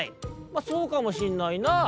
「まあそうかもしんないなぁ」。